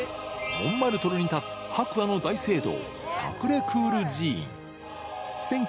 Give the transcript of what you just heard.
モンマルトルに立つ白亜の大聖堂